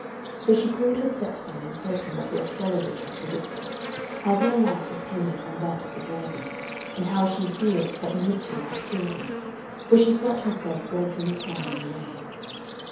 So she called her stepson and told him what the astrologers had predicted how her life depended on that of the dragon, and how she feared that Miuccio had killed him, for she felt herself gradually sliding away.